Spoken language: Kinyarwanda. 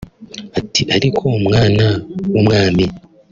Ati “Ariko mwana w’umwami